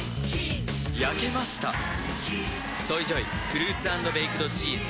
焼けました「ＳＯＹＪＯＹフルーツ＆ベイクドチーズ」